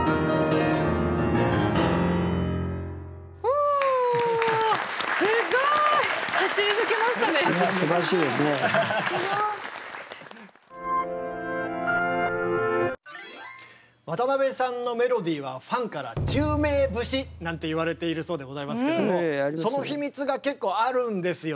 おぉすごい！渡辺さんのメロディーはファンからなんて言われているそうでございますけどもその秘密が結構あるんですよね。